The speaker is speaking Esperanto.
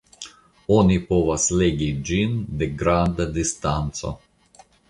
Oni povas legi ĝin de granda distanco.